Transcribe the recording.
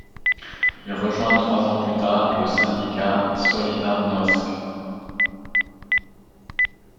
Il rejoint trois ans plus tard le syndicat Solidarność.